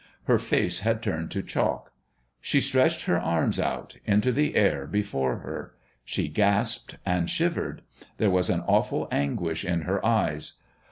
Her face had turned to chalk. She stretched her arms out into the air before her. She gasped and shivered. There was an awful anguish in her eyes.